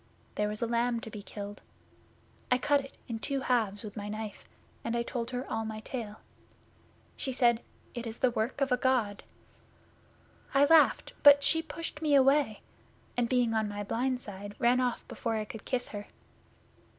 There was a lamb to be killed. I cut it in two halves with my knife, and told her all my tale. She said, "It is the work of a God." I laughed, but she pushed me away, and being on my blind side, ran off before I could kiss her.